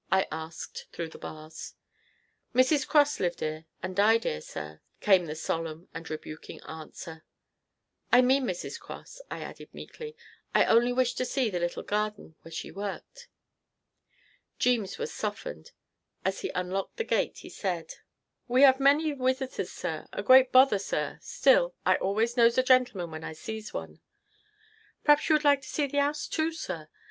I asked through the bars. "Mrs. Cross lived 'ere and died 'ere, sir," came the solemn and rebuking answer. "I mean Mrs. Cross," I added meekly; "I only wished to see the little garden where she worked." Jeemes was softened. As he unlocked the gate he said: "We 'ave many wisiters, sir; a great bother, sir; still, I always knows a gentleman when I sees one. P'r'aps you would like to see the 'ouse, too, sir.